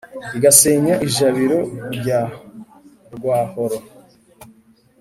igasenya i jabiro rya rwahoro.